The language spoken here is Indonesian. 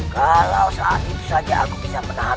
kalau saat itu saja aku bisa menahan